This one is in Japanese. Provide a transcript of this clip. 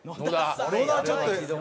野田はちょっと。